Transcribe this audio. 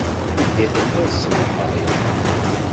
Anda i telliḍ ṣṣbeḥ-a?